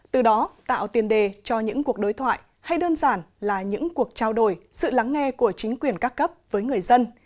từ đó tạo tiền đề cho những cuộc đối thoại hay đơn giản là những cuộc trao đổi sự lắng nghe của chính quyền các cấp với người dân